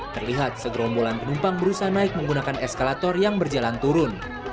terlihat segerombolan penumpang berusaha naik menggunakan eskalator yang berjalan turun